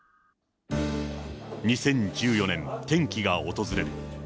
２０１４年、転機が訪れる。